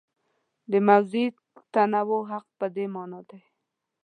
د موضوعي تنوع حق په دې مانا دی.